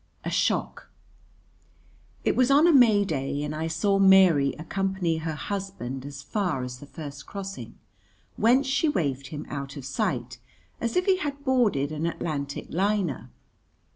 A Shock It was on a May day, and I saw Mary accompany her husband as far as the first crossing, whence she waved him out of sight as if he had boarded an Atlantic liner.